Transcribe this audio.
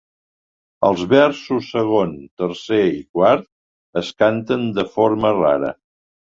Els versos segon, tercer i quart es canten de forma rara.